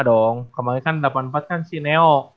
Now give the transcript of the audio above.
delapan puluh lima dong kemarin kan delapan puluh empat kan si neo